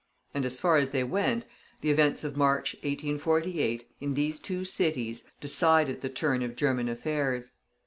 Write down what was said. And as far as they went, the events of March, 1848, in these two cities, decided the turn of German affairs.